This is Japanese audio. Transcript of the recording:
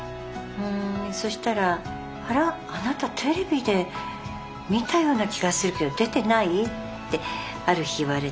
そしたら「あら？あなたテレビで見たような気がするけど出てない？」ってある日言われて。